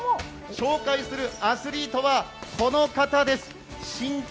紹介するアスリートは、この方です